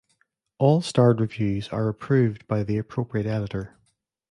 All starred reviews are approved by the appropriate editor.